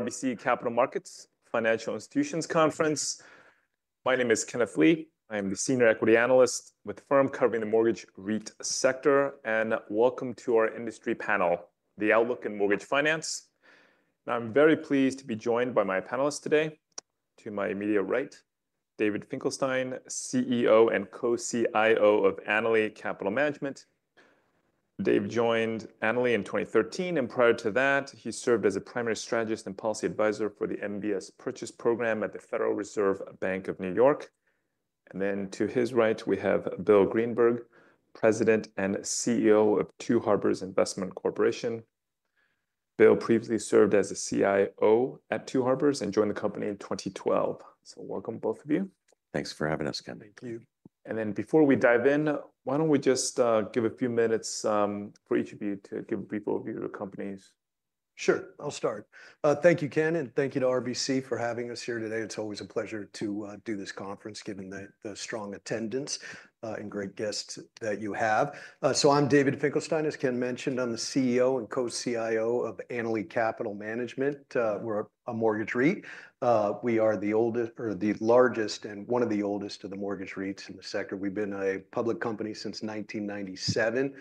RBC Capital Markets Financial Institutions Conference. My name is Kenneth Lee. I am the Senior Equity Analyst with the firm covering the mortgage REIT sector, and welcome to our industry panel, The Outlook in Mortgage Finance. Now, I'm very pleased to be joined by my panelists today. To my immediate right, David Finkelstein, CEO and Co-CIO of Annaly Capital Management. Dave joined Annaly in 2013, and prior to that, he served as a primary strategist and policy advisor for the MBS purchase program at the Federal Reserve Bank of New York. To his right, we have Bill Greenberg, President and CEO of Two Harbors Investment Corporation. Bill previously served as a CIO at Two Harbors and joined the company in 2012. Welcome, both of you. Thanks for having us, Ken. Thank you. Before we dive in, why don't we just give a few minutes for each of you to give a brief overview of your companies? Sure, I'll start. Thank you, Ken, and thank you to RBC for having us here today. It's always a pleasure to do this conference, given the strong attendance and great guests that you have. I'm David Finkelstein, as Ken mentioned. I'm the CEO and Co-CIO of Annaly Capital Management. We're a mortgage REIT. We are the largest and one of the oldest of the mortgage REITs in the sector. We've been a public company since 1997.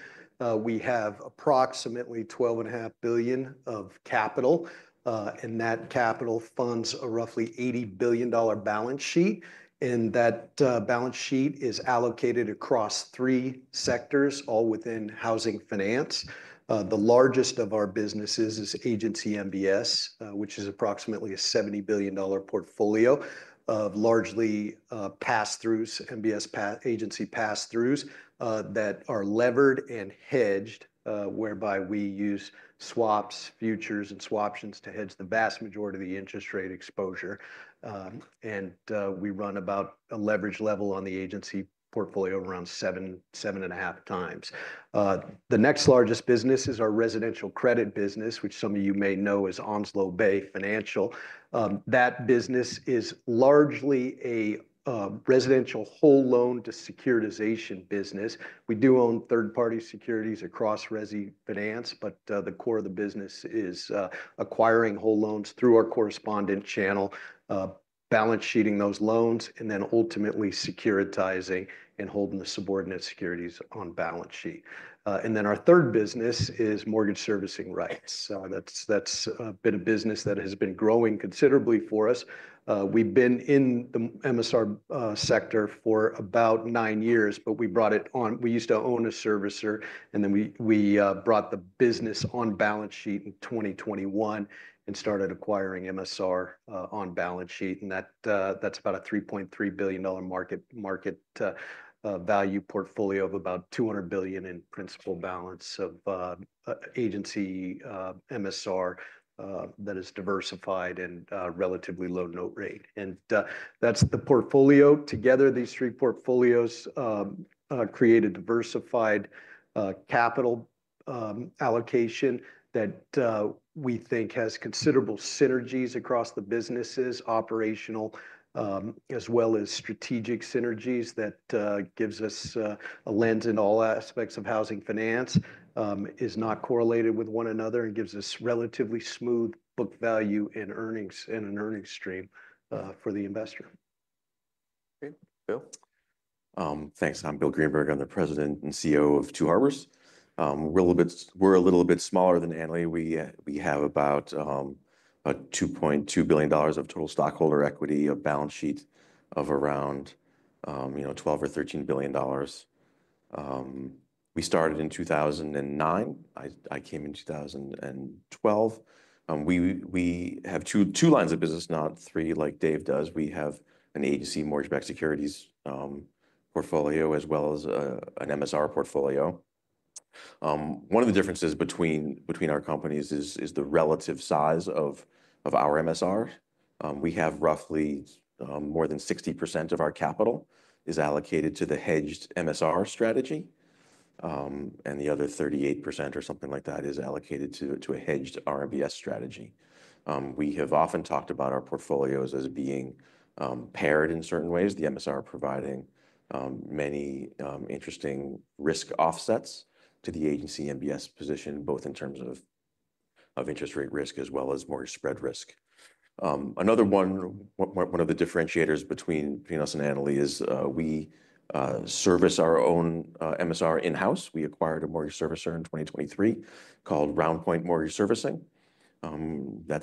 We have approximately $12.5 billion of capital, and that capital funds a roughly $80 billion balance sheet. That balance sheet is allocated across three sectors, all within housing finance. The largest of our businesses is Agency MBS, which is approximately a $70 billion portfolio of largely pass-throughs, MBS agency pass-throughs that are levered and hedged, whereby we use swaps, futures, and swaptions to hedge the vast majority of the interest rate exposure. We run about a leverage level on the agency portfolio around seven, seven and a half times. The next largest business is our residential credit business, which some of you may know as Onslow Bay Financial. That business is largely a residential whole loan to securitization business. We do own third-party securities across resi finance, but the core of the business is acquiring whole loans through our correspondent channel, balance sheeting those loans, and then ultimately securitizing and holding the subordinate securities on balance sheet. Our third business is mortgage servicing rights. That has been a business that has been growing considerably for us. We've been in the MSR sector for about nine years, but we brought it on. We used to own a servicer, and then we brought the business on balance sheet in 2021 and started acquiring MSR on balance sheet. That's about a $3.3 billion market value portfolio of about $200 billion in principal balance of agency MSR that is diversified and relatively low note rate. That's the portfolio. Together, these three portfolios create a diversified capital allocation that we think has considerable synergies across the businesses, operational as well as strategic synergies that gives us a lens in all aspects of housing finance, is not correlated with one another, and gives us relatively smooth book value and earnings and an earnings stream for the investor. Okay, Bill. Thanks. I'm Bill Greenberg. I'm the President and CEO of Two Harbors. We're a little bit smaller than Annaly. We have about $2.2 billion of total stockholder equity, a balance sheet of around, you know, $12 billion or $13 billion. We started in 2009. I came in 2012. We have two lines of business, not three, like Dave does. We have an agency mortgage-backed securities portfolio as well as an MSR portfolio. One of the differences between our companies is the relative size of our MSR. We have roughly more than 60% of our capital is allocated to the hedged MSR strategy, and the other 38% or something like that is allocated to a hedged RMBS strategy. We have often talked about our portfolios as being paired in certain ways. The MSR is providing many interesting risk offsets to the agency MBS position, both in terms of interest rate risk as well as mortgage spread risk. Another one, one of the differentiators between us and Annaly is we service our own MSR in-house. We acquired a mortgage servicer in 2023 called RoundPoint Mortgage Servicing. That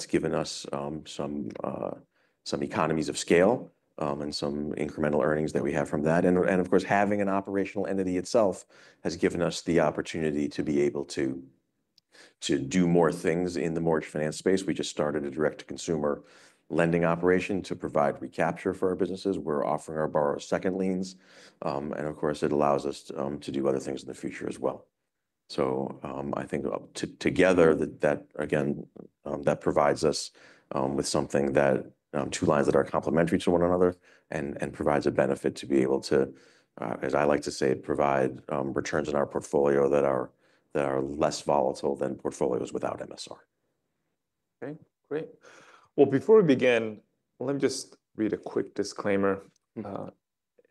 has given us some economies of scale and some incremental earnings that we have from that. Of course, having an operational entity itself has given us the opportunity to be able to do more things in the mortgage finance space. We just started a direct-to-consumer lending operation to provide recapture for our businesses. We are offering our borrowers second liens. Of course, it allows us to do other things in the future as well. I think together, that, again, that provides us with something that two lines that are complementary to one another and provides a benefit to be able to, as I like to say, provide returns in our portfolio that are less volatile than portfolios without MSR. Okay, great. Before we begin, let me just read a quick disclaimer.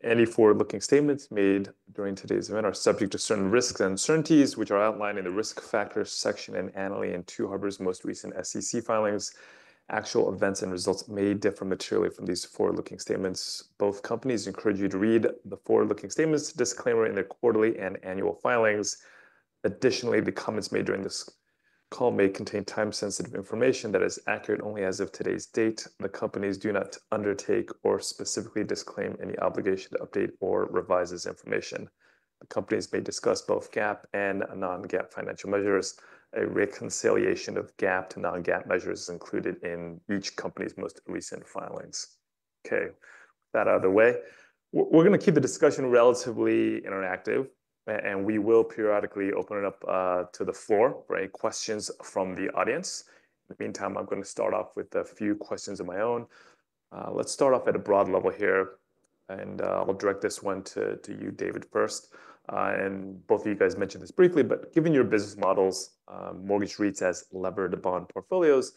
Any forward-looking statements made during today's event are subject to certain risks and uncertainties, which are outlined in the risk factors section in Annaly and Two Harbors' most recent SEC filings. Actual events and results may differ materially from these forward-looking statements. Both companies encourage you to read the forward-looking statements disclaimer in their quarterly and annual filings. Additionally, the comments made during this call may contain time-sensitive information that is accurate only as of today's date. The companies do not undertake or specifically disclaim any obligation to update or revise this information. The companies may discuss both GAAP and non-GAAP financial measures. A reconciliation of GAAP to non-GAAP measures is included in each company's most recent filings. Okay, with that out of the way, we're going to keep the discussion relatively interactive, and we will periodically open it up to the floor for any questions from the audience. In the meantime, I'm going to start off with a few questions of my own. Let's start off at a broad level here, and I'll direct this one to you, David, first. Both of you guys mentioned this briefly, but given your business models, mortgage REITs as levered to bond portfolios,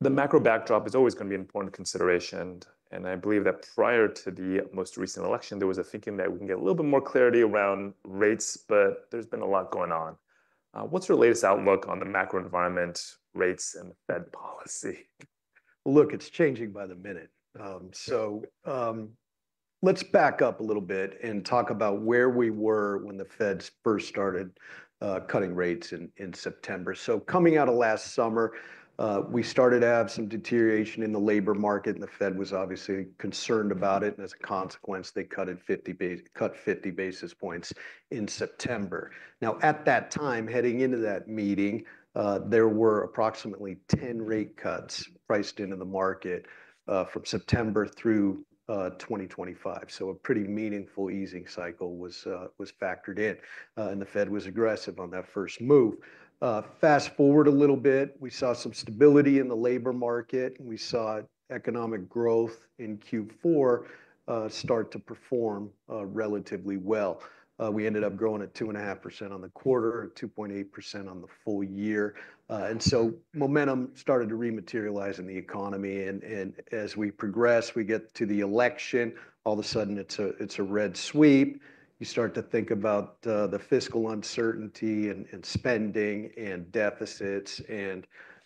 the macro backdrop is always going to be an important consideration. I believe that prior to the most recent election, there was a thinking that we can get a little bit more clarity around rates, but there's been a lot going on. What's your latest outlook on the macro environment, rates, and Fed policy? Look, it's changing by the minute. Let's back up a little bit and talk about where we were when the Fed first started cutting rates in September. Coming out of last summer, we started to have some deterioration in the labor market, and the Fed was obviously concerned about it. As a consequence, they cut 50 basis points in September. At that time, heading into that meeting, there were approximately 10 rate cuts priced into the market from September through 2025. A pretty meaningful easing cycle was factored in, and the Fed was aggressive on that first move. Fast forward a little bit, we saw some stability in the labor market. We saw economic growth in Q4 start to perform relatively well. We ended up growing at 2.5% on the quarter, 2.8% on the full year. Momentum started to rematerialize in the economy. As we progress, we get to the election, all of a sudden it's a red sweep. You start to think about the fiscal uncertainty and spending and deficits.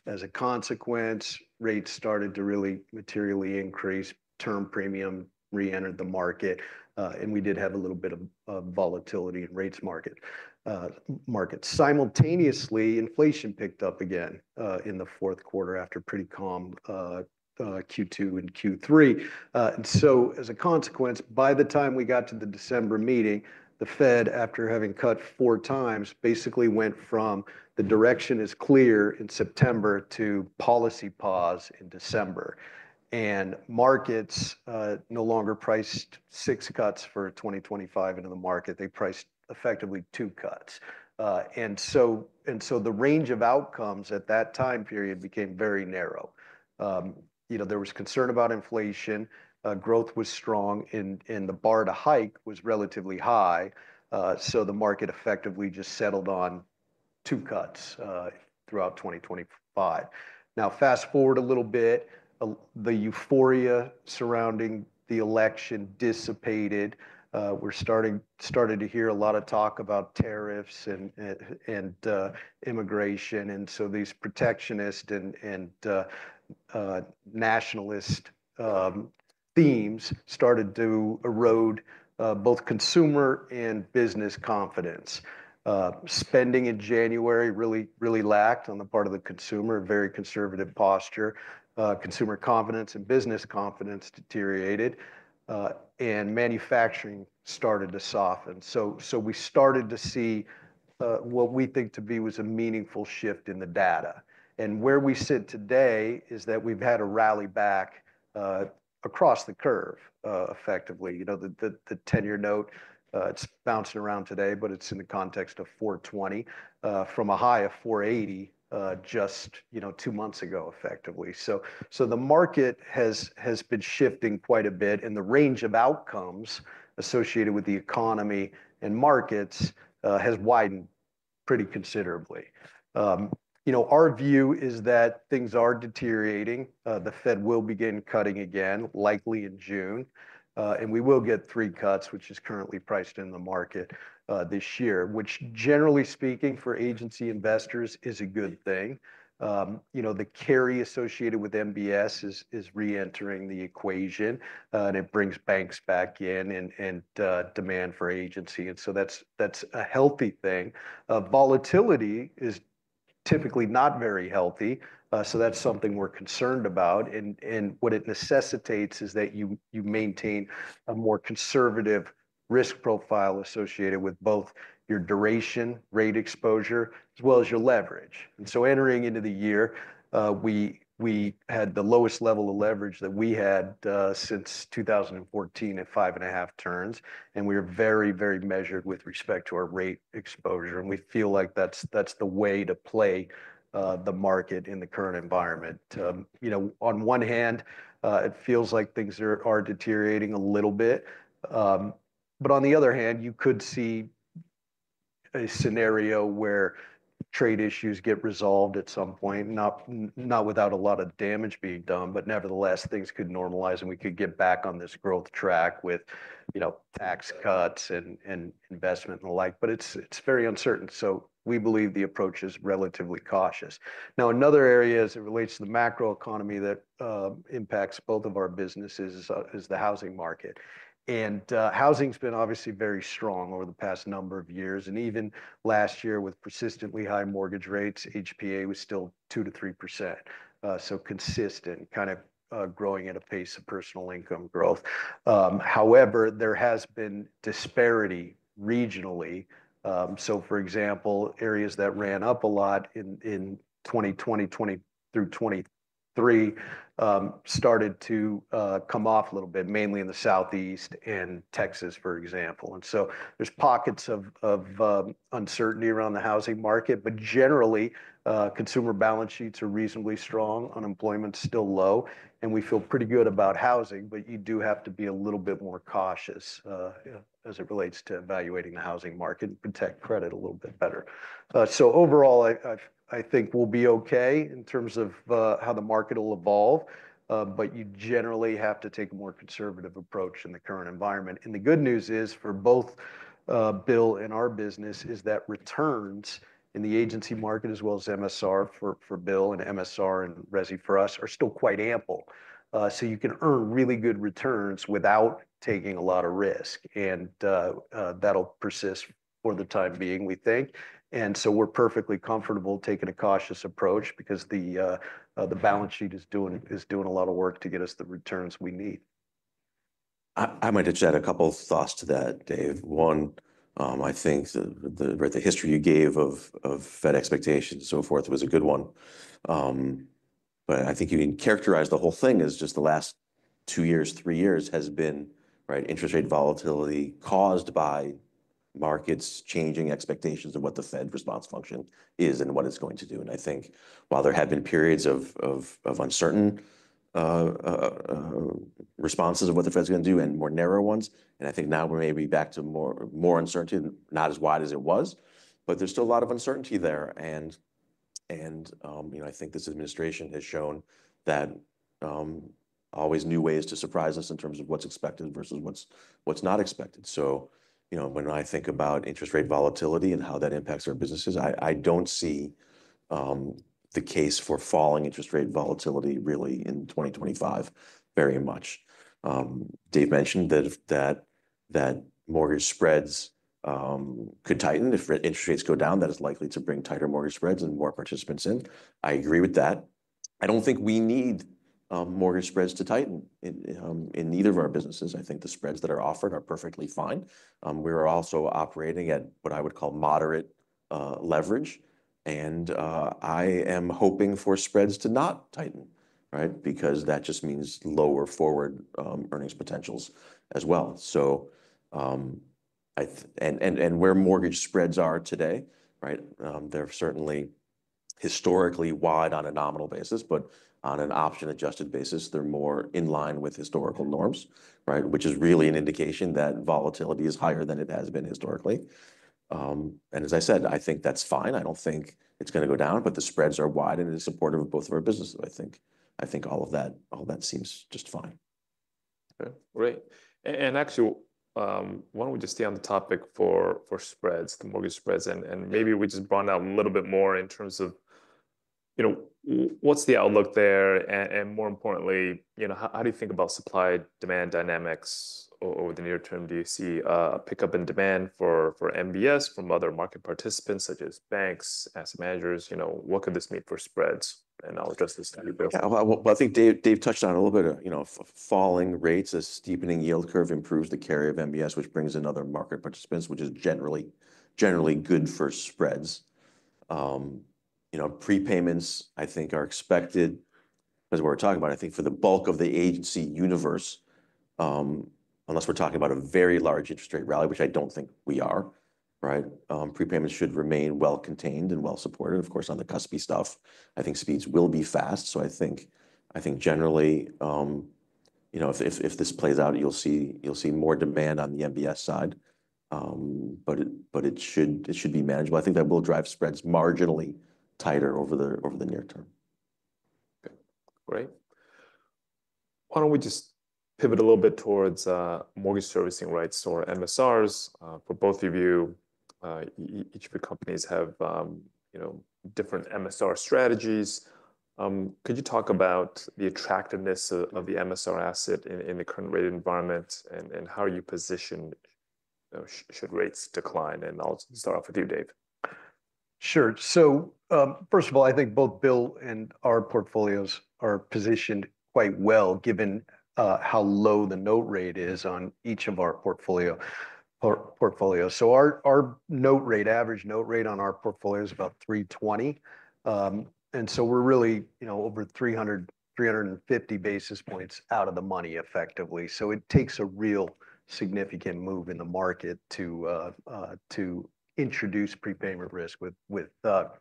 As a consequence, rates started to really materially increase. Term premium re-entered the market, and we did have a little bit of volatility in rates market. Simultaneously, inflation picked up again in the fourth quarter after pretty calm Q2 and Q3. As a consequence, by the time we got to the December meeting, the Fed, after having cut four times, basically went from the direction is clear in September to policy pause in December. Markets no longer priced six cuts for 2025 into the market. They priced effectively two cuts. The range of outcomes at that time period became very narrow. You know, there was concern about inflation. Growth was strong, and the bar to hike was relatively high. The market effectively just settled on two cuts throughout 2025. Now, fast forward a little bit, the euphoria surrounding the election dissipated. We're starting to hear a lot of talk about tariffs and immigration. These protectionist and nationalist themes started to erode both consumer and business confidence. Spending in January really lacked on the part of the consumer, a very conservative posture. Consumer confidence and business confidence deteriorated, and manufacturing started to soften. We started to see what we think to be was a meaningful shift in the data. Where we sit today is that we've had a rally back across the curve effectively. You know, the 10-year note, it's bouncing around today, but it's in the context of 4.20% from a high of 4.80% just two months ago effectively. The market has been shifting quite a bit, and the range of outcomes associated with the economy and markets has widened pretty considerably. You know, our view is that things are deteriorating. The Fed will begin cutting again, likely in June, and we will get three cuts, which is currently priced in the market this year, which generally speaking for agency investors is a good thing. You know, the carry associated with MBS is re-entering the equation, and it brings banks back in and demand for agency. That is a healthy thing. Volatility is typically not very healthy. That is something we're concerned about. What it necessitates is that you maintain a more conservative risk profile associated with both your duration rate exposure as well as your leverage. Entering into the year, we had the lowest level of leverage that we had since 2014 at five and a half turns. We are very, very measured with respect to our rate exposure. We feel like that's the way to play the market in the current environment. You know, on one hand, it feels like things are deteriorating a little bit. On the other hand, you could see a scenario where trade issues get resolved at some point, not without a lot of damage being done. Nevertheless, things could normalize and we could get back on this growth track with, you know, tax cuts and investment and the like. It's very uncertain. We believe the approach is relatively cautious. Another area as it relates to the macro economy that impacts both of our businesses is the housing market. Housing has been obviously very strong over the past number of years. Even last year with persistently high mortgage rates, HPA was still 2% - 3%. Consistent, kind of growing at a pace of personal income growth. However, there has been disparity regionally. For example, areas that ran up a lot in 2020 through 2023 started to come off a little bit, mainly in the Southeast and Texas, for example. There are pockets of uncertainty around the housing market. Generally, consumer balance sheets are reasonably strong, unemployment is still low, and we feel pretty good about housing. You do have to be a little bit more cautious as it relates to evaluating the housing market and protect credit a little bit better. Overall, I think we will be okay in terms of how the market will evolve. You generally have to take a more conservative approach in the current environment. The good news is for both Bill and our business is that returns in the agency market as well as MSR for Bill and MSR and resi for us are still quite ample. You can earn really good returns without taking a lot of risk. That will persist for the time being, we think. We are perfectly comfortable taking a cautious approach because the balance sheet is doing a lot of work to get us the returns we need. I might add a couple of thoughts to that, Dave. One, I think the history you gave of Fed expectations and so forth was a good one. I think you characterized the whole thing as just the last two years, three years has been interest rate volatility caused by markets changing expectations of what the Fed response function is and what it's going to do. I think while there have been periods of uncertain responses of what the Fed's going to do and more narrow ones, I think now we may be back to more uncertainty, not as wide as it was, but there's still a lot of uncertainty there. I think this administration has shown that always new ways to surprise us in terms of what's expected versus what's not expected. When I think about interest rate volatility and how that impacts our businesses, I do not see the case for falling interest rate volatility really in 2025 very much. Dave mentioned that mortgage spreads could tighten if interest rates go down. That is likely to bring tighter mortgage spreads and more participants in. I agree with that. I do not think we need mortgage spreads to tighten in neither of our businesses. I think the spreads that are offered are perfectly fine. We are also operating at what I would call moderate leverage. I am hoping for spreads to not tighten, right? Because that just means lower forward earnings potentials as well. Where mortgage spreads are today, they're certainly historically wide on a nominal basis, but on an option-adjusted basis, they're more in line with historical norms, which is really an indication that volatility is higher than it has been historically. As I said, I think that's fine. I don't think it's going to go down, but the spreads are wide and in support of both of our businesses. I think all of that seems just fine. Great. Actually, why do we not just stay on the topic for spreads, the mortgage spreads? Maybe we just broaden out a little bit more in terms of what is the outlook there? More importantly, how do you think about supply-demand dynamics over the near term? Do you see a pickup in demand for MBS from other market participants such as banks, asset managers? What could this mean for spreads? I will address this to you. I think Dave touched on it a little bit. Falling rates as a steepening yield curve improves the carry of MBS, which brings in other market participants, which is generally good for spreads. Prepayments, I think, are expected. As we're talking about, I think for the bulk of the agency universe, unless we're talking about a very large interest rate rally, which I do not think we are, prepayments should remain well-contained and well-supported. Of course, on the cuspy stuff, I think speeds will be fast. I think generally, if this plays out, you'll see more demand on the MBS side. It should be manageable. I think that will drive spreads marginally tighter over the near term. Great. Why don't we just pivot a little bit towards mortgage servicing rights or MSRs for both of you? Each of your companies have different MSR strategies. Could you talk about the attractiveness of the MSR asset in the current rate environment and how are you positioned should rates decline? I'll start off with you, Dave. Sure. First of all, I think both Bill and our portfolios are positioned quite well given how low the note rate is on each of our portfolios. Our note rate, average note rate on our portfolio is about 320. We are really over 300-350 basis points out of the money effectively. It takes a real significant move in the market to introduce prepayment risk with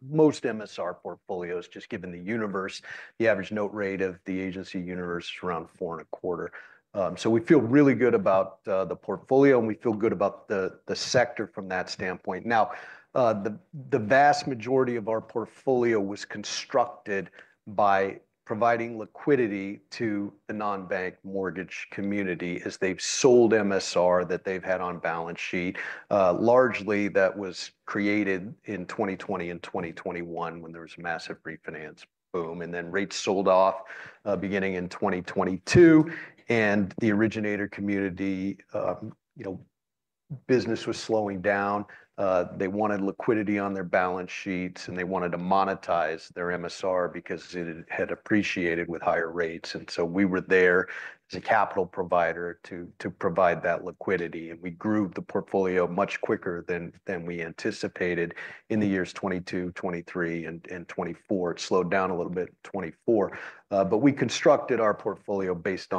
most MSR portfolios, just given the universe. The average note rate of the agency universe is around 4.25%. We feel really good about the portfolio, and we feel good about the sector from that standpoint. Now, the vast majority of our portfolio was constructed by providing liquidity to the non-bank mortgage community as they have sold MSR that they have had on balance sheet. Largely, that was created in 2020 and 2021 when there was a massive refinance boom. Rates sold off beginning in 2022. The originator community business was slowing down. They wanted liquidity on their balance sheets, and they wanted to monetize their MSR because it had appreciated with higher rates. We were there as a capital provider to provide that liquidity. We grew the portfolio much quicker than we anticipated in the years 2022, 2023, and 2024. It slowed down a little bit in 2024. We constructed our portfolio based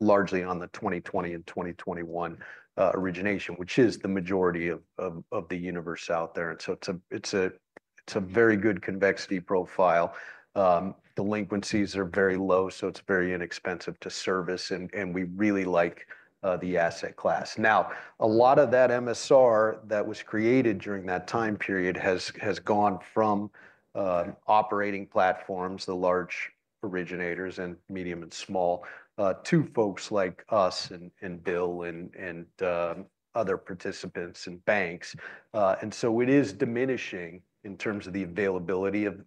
largely on the 2020 and 2021 origination, which is the majority of the universe out there. It is a very good convexity profile. Delinquencies are very low, so it is very inexpensive to service. We really like the asset class. Now, a lot of that MSR that was created during that time period has gone from operating platforms, the large originators and medium and small, to folks like us and Bill and other participants and banks. It is diminishing in terms of the availability of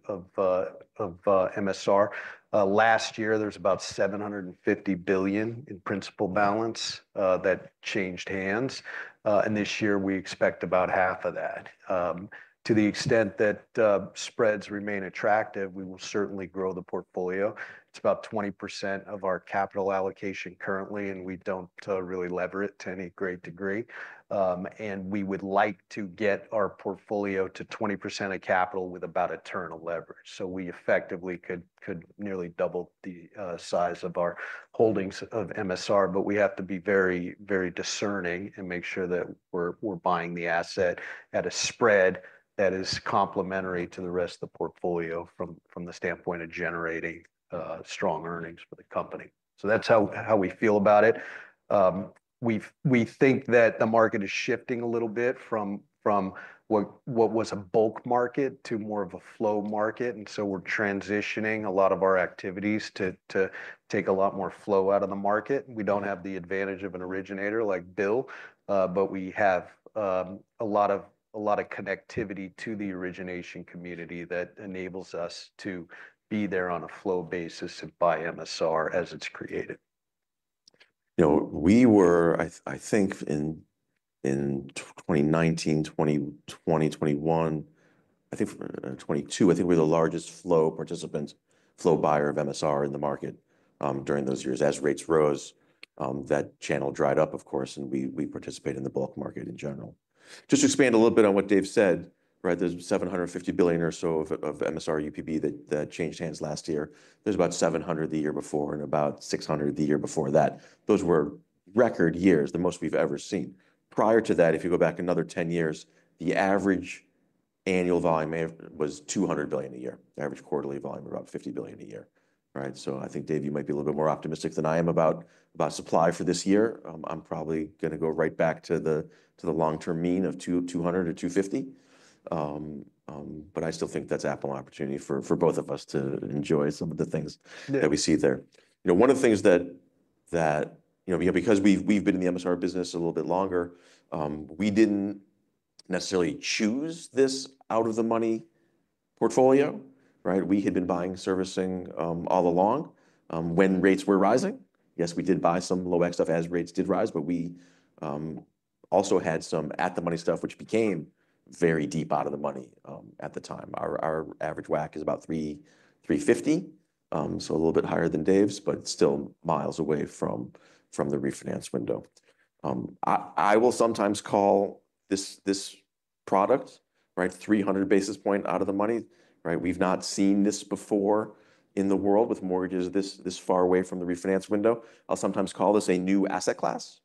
MSR. Last year, there was about $750 billion in principal balance that changed hands. This year, we expect about half of that. To the extent that spreads remain attractive, we will certainly grow the portfolio. It is about 20% of our capital allocation currently, and we do not really lever it to any great degree. We would like to get our portfolio to 20% of capital with about a turn of leverage. We effectively could nearly double the size of our holdings of MSR. We have to be very, very discerning and make sure that we're buying the asset at a spread that is complementary to the rest of the portfolio from the standpoint of generating strong earnings for the company. That is how we feel about it. We think that the market is shifting a little bit from what was a bulk market to more of a flow market. We are transitioning a lot of our activities to take a lot more flow out of the market. We do not have the advantage of an originator like Bill, but we have a lot of connectivity to the origination community that enables us to be there on a flow basis and buy MSR as it is created. We were, I think, in 2019, 2020, 2021, I think 2022, I think we were the largest flow participants, flow buyer of MSR in the market during those years. As rates rose, that channel dried up, of course, and we participate in the bulk market in general. Just to expand a little bit on what Dave said, there is $750 billion or so of MSR UPB that changed hands last year. There is about $700 billion the year before and about $600 billion the year before that. Those were record years, the most we have ever seen. Prior to that, if you go back another 10 years, the average annual volume was $200 billion a year. The average quarterly volume was about $50 billion a year. I think, Dave, you might be a little bit more optimistic than I am about supply for this year. I'm probably going to go right back to the long-term mean of $200 billion or $250 billion. I still think that's an ample opportunity for both of us to enjoy some of the things that we see there. One of the things that, because we've been in the MSR business a little bit longer, we didn't necessarily choose this out-of-the-money portfolio. We had been buying servicing all along when rates were rising. Yes, we did buy some low-back stuff as rates did rise, but we also had some at-the-money stuff, which became very deep out of the money at the time. Our average WACC is about 3.50, so a little bit higher than Dave's, but still miles away from the refinance window. I will sometimes call this product 300 basis points out of the money. We've not seen this before in the world with mortgages this far away from the refinance window. I'll sometimes call this a new asset class.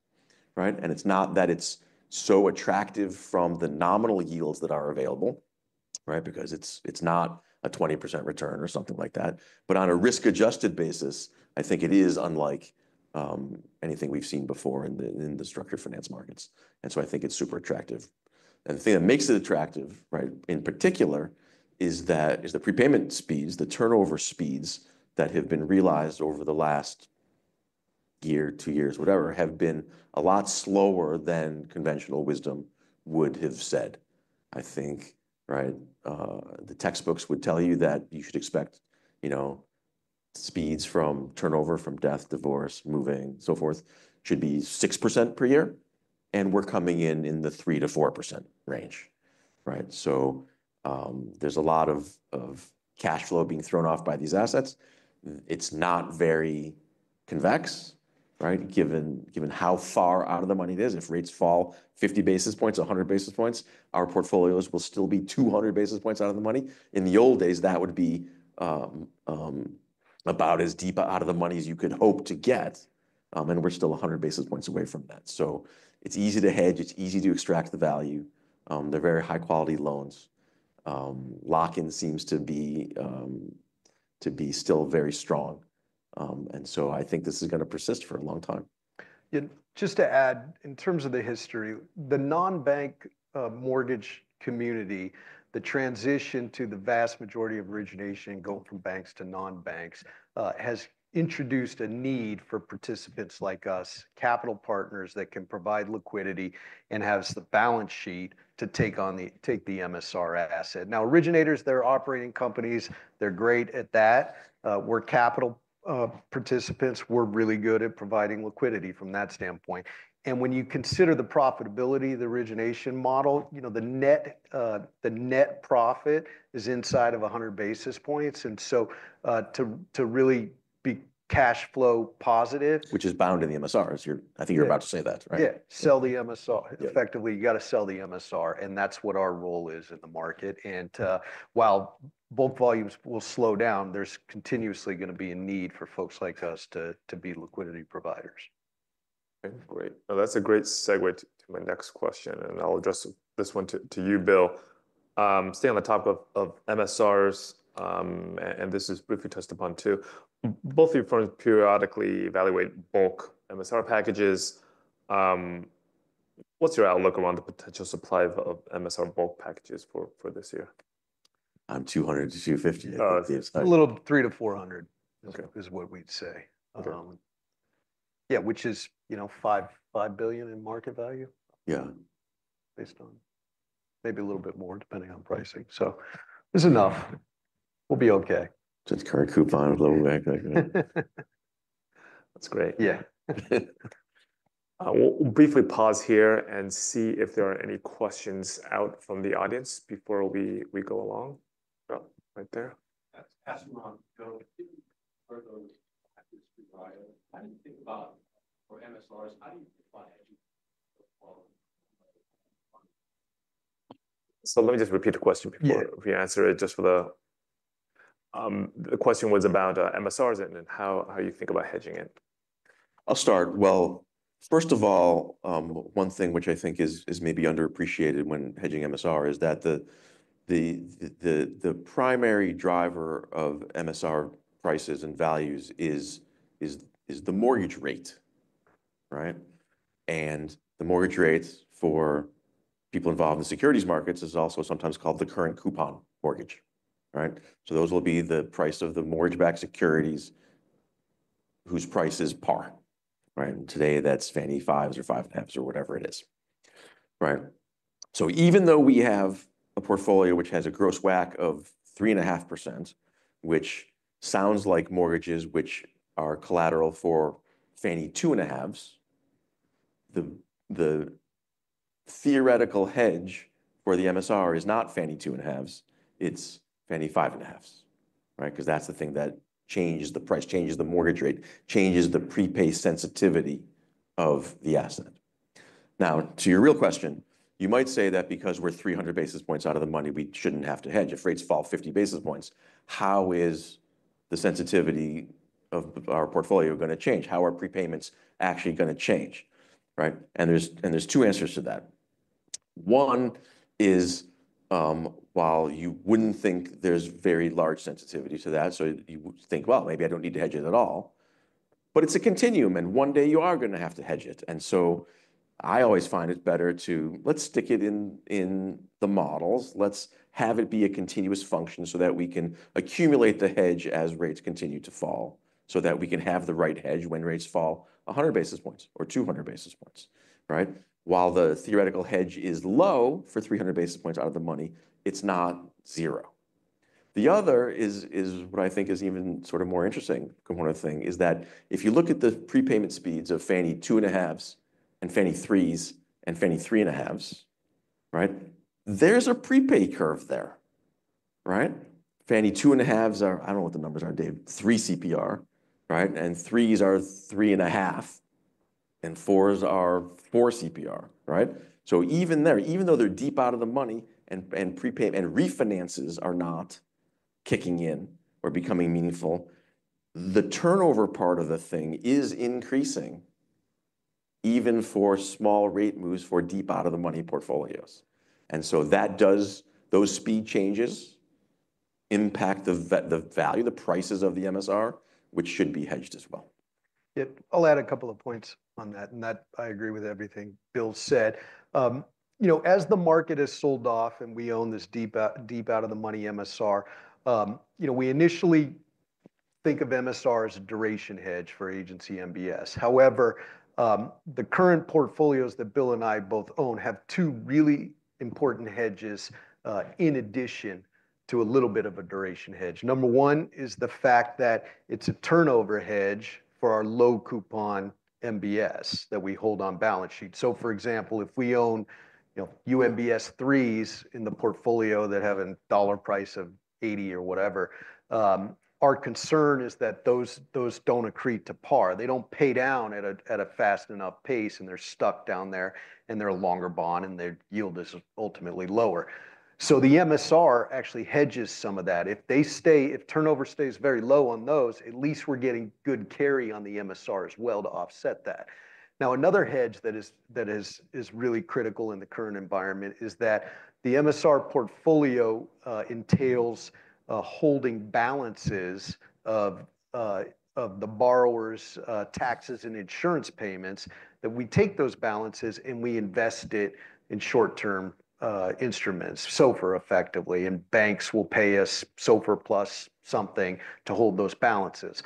It's not that it's so attractive from the nominal yields that are available because it's not a 20% return or something like that. On a risk-adjusted basis, I think it is unlike anything we've seen before in the structured finance markets. I think it's super attractive. The thing that makes it attractive in particular is the prepayment speeds, the turnover speeds that have been realized over the last year, two years, whatever, have been a lot slower than conventional wisdom would have said. I think the textbooks would tell you that you should expect speeds from turnover, from death, divorce, moving, so forth, should be 6% per year. We're coming in in the 3% - 4% range. There is a lot of cash flow being thrown off by these assets. It is not very convex given how far out of the money it is. If rates fall 50 basis points, 100 basis points, our portfolios will still be 200 basis points out of the money. In the old days, that would be about as deep out of the money as you could hope to get. We are still 100 basis points away from that. It is easy to hedge. It is easy to extract the value. They are very high-quality loans. Lock-in seems to be still very strong. I think this is going to persist for a long time. Just to add, in terms of the history, the non-bank mortgage community, the transition to the vast majority of origination going from banks to non-banks has introduced a need for participants like us, capital partners that can provide liquidity and have the balance sheet to take the MSR asset. Now, originators, they're operating companies. They're great at that. We're capital participants. We're really good at providing liquidity from that standpoint. When you consider the profitability, the origination model, the net profit is inside of 100 basis points. To really be cash flow positive. Which is bound in the MSRs. I think you're about to say that, right? Yeah. Sell the MSR. Effectively, you got to sell the MSR. That is what our role is in the market. While bulk volumes will slow down, there is continuously going to be a need for folks like us to be liquidity providers. Great. That is a great segue to my next question. I will address this one to you, Bill. Stay on the topic of MSRs. This is briefly touched upon too. Both of your firms periodically evaluate bulk MSR packages. What is your outlook around the potential supply of MSR bulk packages for this year? 200-250. A little 300-400 is what we'd say. Yeah, which is $5 billion in market value. Yeah. Based on maybe a little bit more depending on pricing. There is enough. We will be okay. Just current coupon with a little WACC. That's great. Yeah. We'll briefly pause here and see if there are any questions out from the audience before we go along. Right there. Ask around. Bill, how do you think about for MSRs, how do you define? Let me just repeat the question before you answer it just for the. The question was about MSRs and how you think about hedging it. I'll start. First of all, one thing which I think is maybe underappreciated when hedging MSR is that the primary driver of MSR prices and values is the mortgage rate. The mortgage rates for people involved in securities markets is also sometimes called the current coupon mortgage. Those will be the price of the mortgage-backed securities whose price is par. Today, that's Fannie 5s or 5.5s or whatever it is. Even though we have a portfolio which has a gross WACC of 3.5%, which sounds like mortgages which are collateral for Fannie 2.5s, the theoretical hedge for the MSR is not Fannie 2.5s. It's Fannie 5.5s because that's the thing that changes the price, changes the mortgage rate, changes the prepay sensitivity of the asset. Now, to your real question, you might say that because we're 300 basis points out of the money, we shouldn't have to hedge if rates fall 50 basis points. How is the sensitivity of our portfolio going to change? How are prepayments actually going to change? There are two answers to that. One is, while you wouldn't think there's very large sensitivity to that, you would think, maybe I don't need to hedge it at all. It's a continuum, and one day you are going to have to hedge it. I always find it better to, let's stick it in the models. Let's have it be a continuous function so that we can accumulate the hedge as rates continue to fall so that we can have the right hedge when rates fall 100 basis points or 200 basis points. While the theoretical hedge is low for 300 basis points out of the money, it's not zero. The other is what I think is even sort of more interesting component of thing is that if you look at the prepayment speeds of Fannie 2.5s and Fannie 3s and Fannie 3.5s, there's a prepay curve there. Fannie 2.5s are, I don't know what the numbers are, Dave, three CPR. And 3s are 3.5, and 4s are four CPR. Even there, even though they're deep out of the money and prepay and refinances are not kicking in or becoming meaningful, the turnover part of the thing is increasing even for small rate moves for deep out of the money portfolios. Those speed changes impact the value, the prices of the MSR, which should be hedged as well. I'll add a couple of points on that. I agree with everything Bill said. As the market has sold off and we own this deep out of the money MSR, we initially think of MSR as a duration hedge for agency MBS. However, the current portfolios that Bill and I both own have two really important hedges in addition to a little bit of a duration hedge. Number one is the fact that it's a turnover hedge for our low-coupon MBS that we hold on balance sheet. For example, if we own UMBS 3s in the portfolio that have a dollar price of 80 or whatever, our concern is that those do not accrete to par. They do not pay down at a fast enough pace, and they are stuck down there, and they are a longer bond, and their yield is ultimately lower. The MSR actually hedges some of that. If turnover stays very low on those, at least we're getting good carry on the MSR as well to offset that. Another hedge that is really critical in the current environment is that the MSR portfolio entails holding balances of the borrowers' taxes and insurance payments. We take those balances and we invest it in short-term instruments, SOFR effectively. Banks will pay us SOFR plus something to hold those balances.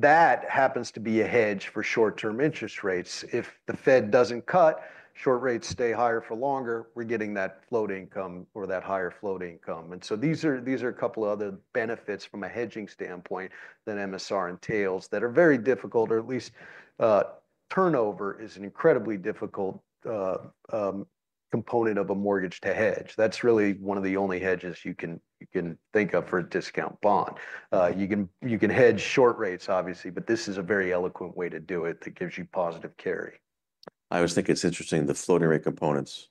That happens to be a hedge for short-term interest rates. If the Fed doesn't cut, short rates stay higher for longer, we're getting that float income or that higher float income. These are a couple of other benefits from a hedging standpoint that MSR entails that are very difficult, or at least turnover is an incredibly difficult component of a mortgage to hedge. That's really one of the only hedges you can think of for a discount bond. You can hedge short rates, obviously, but this is a very eloquent way to do it that gives you positive carry. I always think it's interesting the floating rate components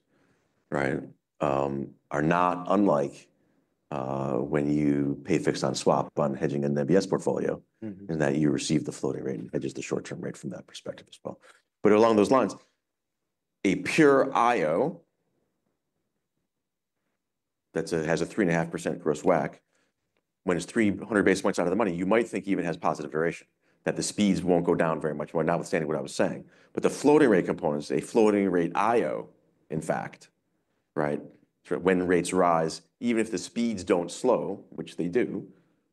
are not unlike when you pay fixed on swap on hedging in the MBS portfolio in that you receive the floating rate and hedges the short-term rate from that perspective as well. Along those lines, a pure IO that has a 3.5% gross WACC when it's 300 basis points out of the money, you might think even has positive duration, that the speeds won't go down very much, notwithstanding what I was saying. The floating rate components, a floating rate IO, in fact, when rates rise, even if the speeds don't slow, which they do,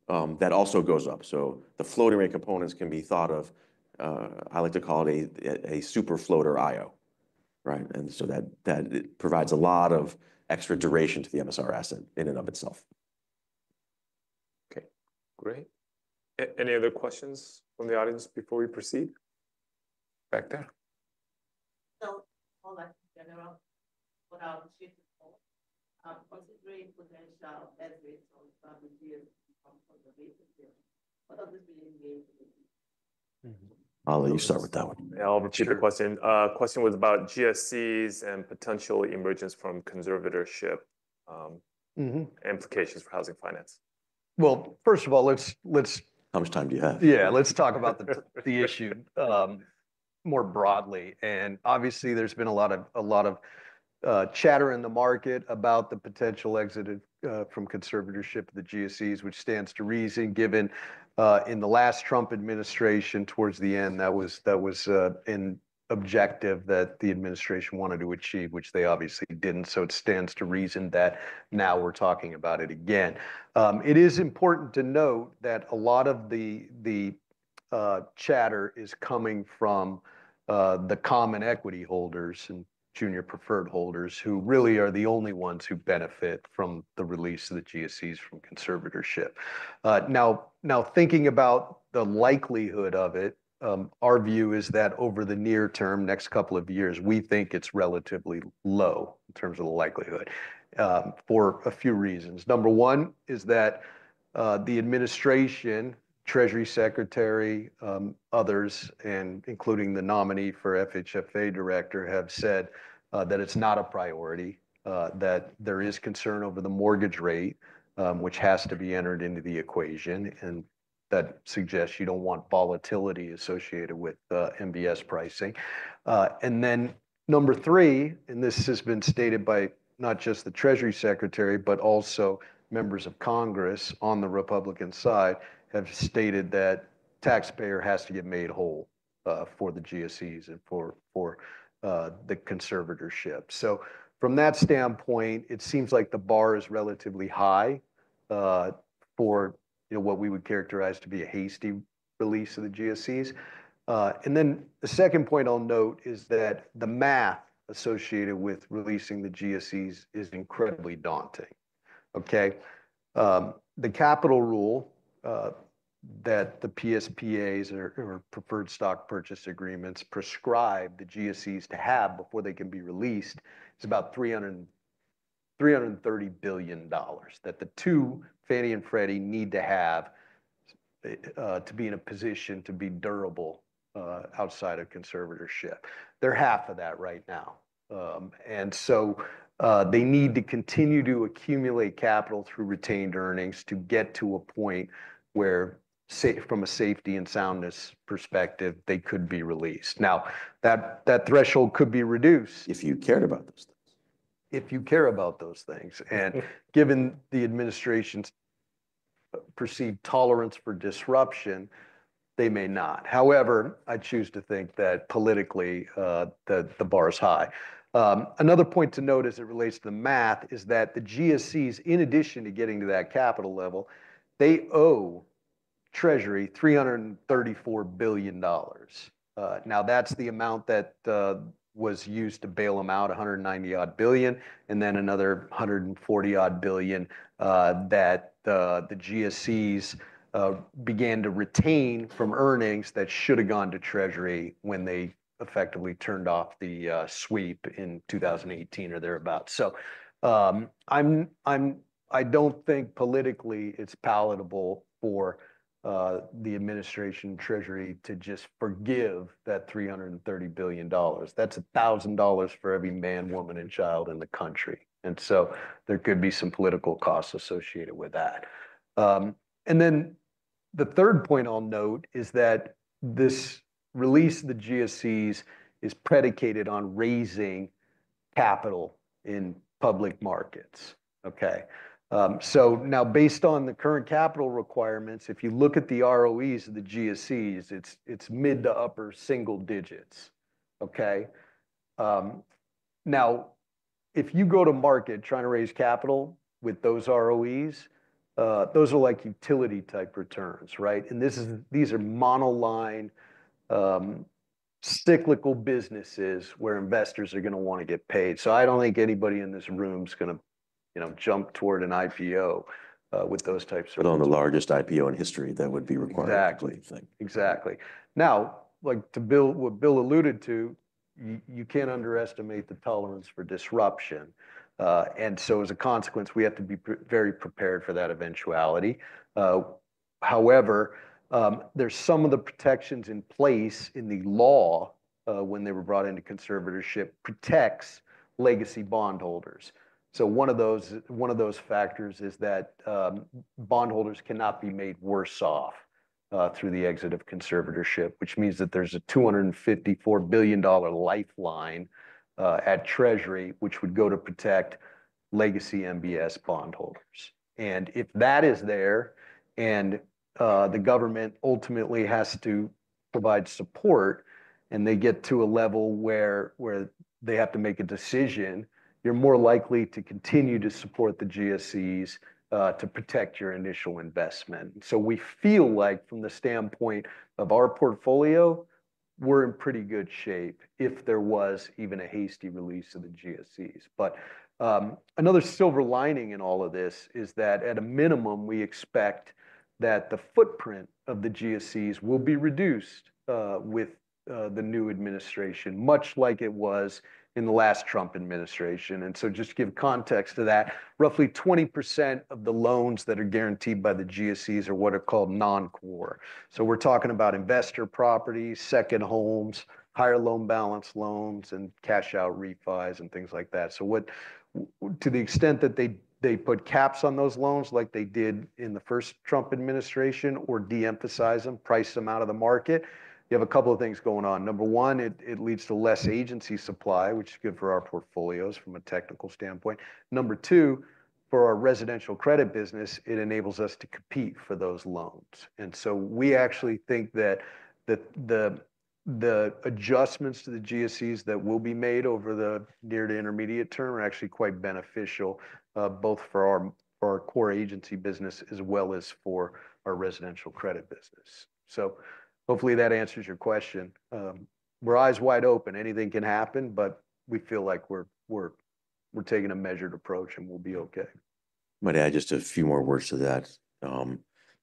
that also goes up. The floating rate components can be thought of, I like to call it a super floater IO. That provides a lot of extra duration to the MSR asset in and of itself. Okay. Great. Any other questions from the audience before we proceed? Back there. All that in general, what are the chief components? What's the dream potential as a result of the GSE from conservatorship? What does this really mean? I'll let you start with that one. I'll repeat the question. Question was about GSEs and potential emergence from conservatorship implications for housing finance. First of all, let's. How much time do you have? Yeah, let's talk about the issue more broadly. Obviously, there's been a lot of chatter in the market about the potential exit from conservatorship of the GSEs, which stands to reason given in the last Trump administration towards the end, that was an objective that the administration wanted to achieve, which they obviously didn't. It stands to reason that now we're talking about it again. It is important to note that a lot of the chatter is coming from the common equity holders and junior preferred holders who really are the only ones who benefit from the release of the GSEs from conservatorship. Now, thinking about the likelihood of it, our view is that over the near term, next couple of years, we think it's relatively low in terms of the likelihood for a few reasons. Number one is that the administration, Treasury Secretary, others, and including the nominee for FHFA director have said that it's not a priority, that there is concern over the mortgage rate, which has to be entered into the equation, and that suggests you don't want volatility associated with MBS pricing. Number three, and this has been stated by not just the Treasury Secretary, but also members of Congress on the Republican side have stated that taxpayer has to get made whole for the GSEs and for the conservatorship. From that standpoint, it seems like the bar is relatively high for what we would characterize to be a hasty release of the GSEs. The second point I'll note is that the math associated with releasing the GSEs is incredibly daunting. The capital rule that the PSPAs or preferred stock purchase agreements prescribe the GSEs to have before they can be released is about $330 billion that the two, Fannie and Freddie, need to have to be in a position to be durable outside of conservatorship. They're half of that right now. They need to continue to accumulate capital through retained earnings to get to a point where from a safety and soundness perspective, they could be released. That threshold could be reduced. If you cared about those things. If you care about those things. Given the administration's perceived tolerance for disruption, they may not. However, I choose to think that politically, the bar is high. Another point to note as it relates to the math is that the GSEs, in addition to getting to that capital level, they owe Treasury $334 billion. Now, that's the amount that was used to bail them out, $190-odd billion, and then another $140-odd billion that the GSEs began to retain from earnings that should have gone to Treasury when they effectively turned off the sweep in 2018 or thereabouts. I do not think politically it is palatable for the administration and Treasury to just forgive that $330 billion. That is $1,000 for every man, woman, and child in the country. There could be some political costs associated with that. The third point I'll note is that this release of the GSEs is predicated on raising capital in public markets. Now, based on the current capital requirements, if you look at the ROEs of the GSEs, it's mid to upper single digits. Now, if you go to market trying to raise capital with those ROEs, those are like utility-type returns. These are monoline cyclical businesses where investors are going to want to get paid. I do not think anybody in this room is going to jump toward an IPO with those types of returns. On the largest IPO in history, that would be required. Exactly. Exactly. Now, like Bill alluded to, you can't underestimate the tolerance for disruption. As a consequence, we have to be very prepared for that eventuality. However, some of the protections in place in the law when they were brought into conservatorship protect legacy bondholders. One of those factors is that bondholders cannot be made worse off through the exit of conservatorship, which means that there is a $254 billion lifeline at Treasury which would go to protect legacy MBS bondholders. If that is there and the government ultimately has to provide support and they get to a level where they have to make a decision, you are more likely to continue to support the GSEs to protect your initial investment. We feel like, from the standpoint of our portfolio, we are in pretty good shape if there was even a hasty release of the GSEs. Another silver lining in all of this is that at a minimum, we expect that the footprint of the GSEs will be reduced with the new administration, much like it was in the last Trump administration. Just to give context to that, roughly 20% of the loans that are guaranteed by the GSEs are what are called non-core. We are talking about investor property, second homes, higher loan balance loans, and cash-out refis and things like that. To the extent that they put caps on those loans like they did in the first Trump administration or de-emphasize them, price them out of the market, you have a couple of things going on. Number one, it leads to less agency supply, which is good for our portfolios from a technical standpoint. Number two, for our residential credit business, it enables us to compete for those loans. We actually think that the adjustments to the GSEs that will be made over the near to intermediate term are actually quite beneficial both for our core agency business as well as for our residential credit business. Hopefully that answers your question. We're eyes wide open. Anything can happen, but we feel like we're taking a measured approach and we'll be okay. I might add just a few more words to that. I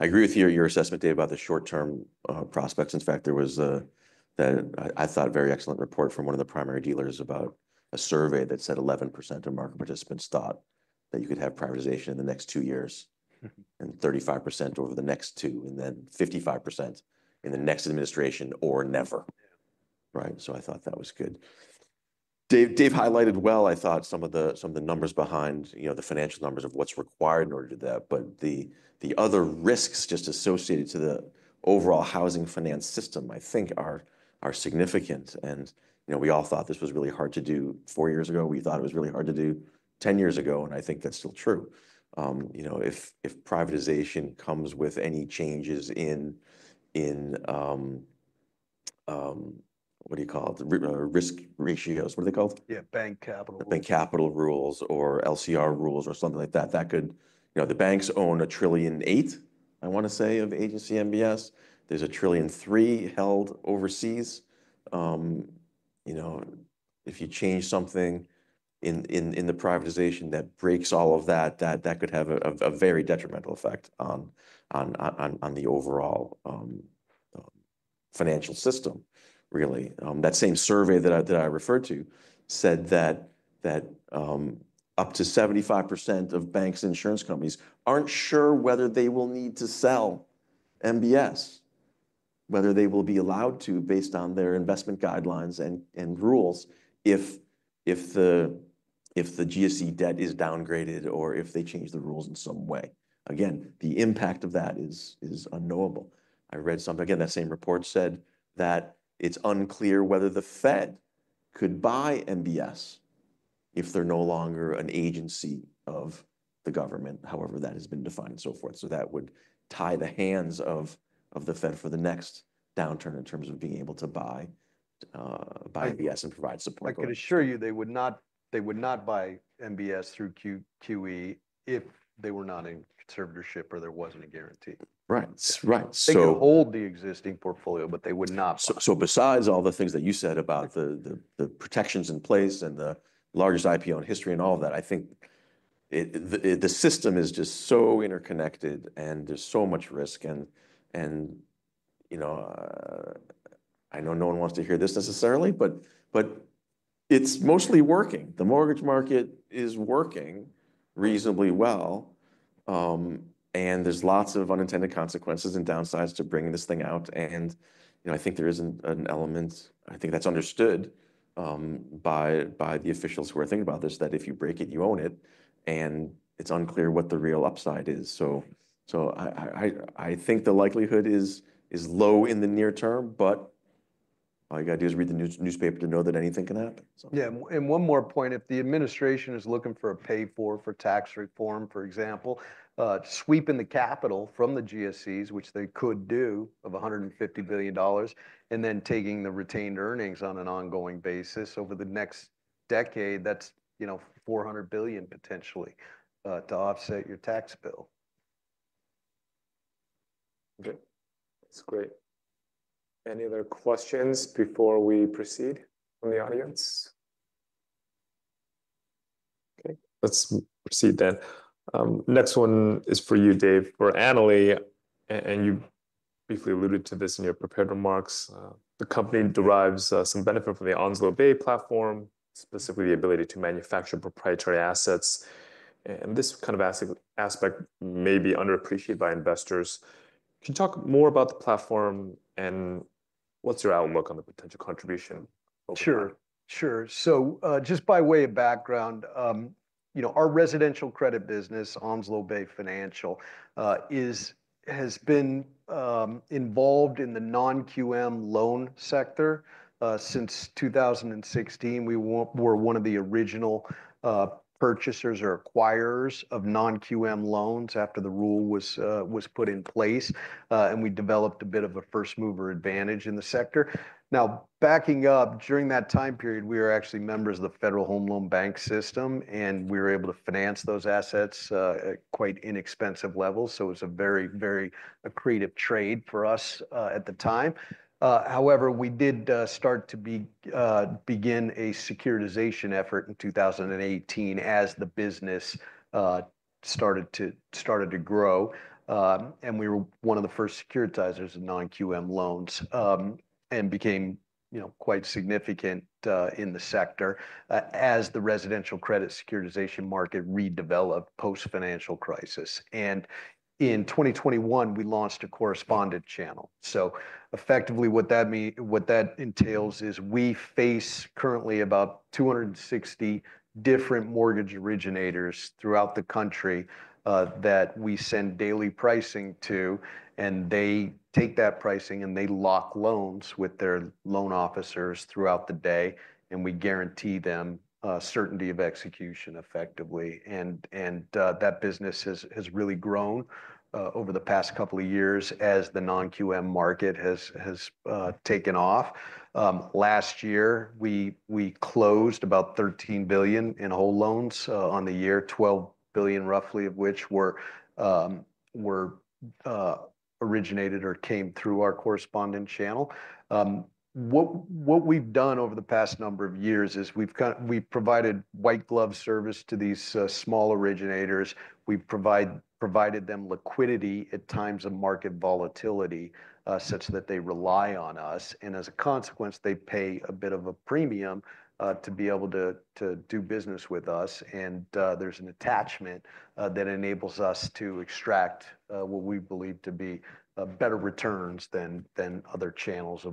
agree with your assessment, Dave, about the short-term prospects. In fact, there was, I thought, a very excellent report from one of the primary dealers about a survey that said 11% of market participants thought that you could have privatization in the next two years and 35% over the next two and then 55% in the next administration or never. I thought that was good. Dave highlighted well, I thought, some of the numbers behind the financial numbers of what's required in order to do that. The other risks just associated to the overall housing finance system, I think, are significant. We all thought this was really hard to do four years ago. We thought it was really hard to do 10 years ago, and I think that's still true. If privatization comes with any changes in what do you call it? Risk ratios. What are they called? Yeah, bank capital. Bank capital rules or LCR rules or something like that. The banks own $1.8 trillion, I want to say, of agency MBS. There is $1.3 trillion held overseas. If you change something in the privatization that breaks all of that, that could have a very detrimental effect on the overall financial system, really. That same survey that I referred to said that up to 75% of banks and insurance companies are not sure whether they will need to sell MBS, whether they will be allowed to based on their investment guidelines and rules if the GSE debt is downgraded or if they change the rules in some way. Again, the impact of that is unknowable. I read something again. That same report said that it is unclear whether the Fed could buy MBS if they are no longer an agency of the government, however that has been defined and so forth. That would tie the hands of the Fed for the next downturn in terms of being able to buy MBS and provide support. I can assure you they would not buy MBS through QE if they were not in conservatorship or there was not a guarantee. Right. So. They could hold the existing portfolio, but they would not. Besides all the things that you said about the protections in place and the largest IPO in history and all of that, I think the system is just so interconnected and there's so much risk. I know no one wants to hear this necessarily, but it's mostly working. The mortgage market is working reasonably well. There's lots of unintended consequences and downsides to bringing this thing out. I think there is an element, I think that's understood by the officials who are thinking about this, that if you break it, you own it. It's unclear what the real upside is. I think the likelihood is low in the near term, but all you got to do is read the newspaper to know that anything can happen. Yeah. One more point. If the administration is looking for a pay-for for tax reform, for example, sweeping the capital from the GSEs, which they could do of $150 billion, and then taking the retained earnings on an ongoing basis over the next decade, that's $400 billion potentially to offset your tax bill. Okay. That's great. Any other questions before we proceed from the audience? Okay. Let's proceed then. Next one is for you, Dave. For Annaly, and you briefly alluded to this in your prepared remarks, the company derives some benefit from the Onslow Bay platform, specifically the ability to manufacture proprietary assets. And this kind of aspect may be underappreciated by investors. Can you talk more about the platform and what's your outlook on the potential contribution? Sure. Sure. Just by way of background, our residential credit business, Onslow Bay Financial, has been involved in the non-QM loan sector since 2016. We were one of the original purchasers or acquirers of non-QM loans after the rule was put in place. We developed a bit of a first-mover advantage in the sector. Now, backing up, during that time period, we were actually members of the Federal Home Loan Bank system, and we were able to finance those assets at quite inexpensive levels. It was a very, very accretive trade for us at the time. However, we did start to begin a securitization effort in 2018 as the business started to grow. We were one of the first securitizers of non-QM loans and became quite significant in the sector as the residential credit securitization market redeveloped post-financial crisis. In 2021, we launched a correspondent channel. Effectively, what that entails is we face currently about 260 different mortgage originators throughout the country that we send daily pricing to. They take that pricing and they lock loans with their loan officers throughout the day. We guarantee them certainty of execution effectively. That business has really grown over the past couple of years as the non-QM market has taken off. Last year, we closed about $13 billion in whole loans on the year, $12 billion roughly of which originated or came through our correspondent channel. What we have done over the past number of years is we have provided white-glove service to these small originators. We have provided them liquidity at times of market volatility such that they rely on us. As a consequence, they pay a bit of a premium to be able to do business with us. There's an attachment that enables us to extract what we believe to be better returns than other channels.